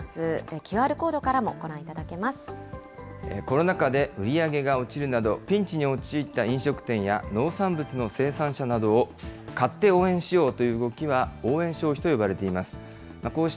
ＱＲコードからもご覧いただコロナ禍で売り上げが落ちるなど、ピンチに陥った飲食店や農産物の生産者などを買って応援しようという動きは、応援消費と呼ばれています。